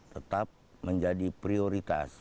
tetap menjadi prioritas